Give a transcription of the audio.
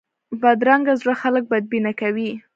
بدرنګه زړه خلک بدبینه کوي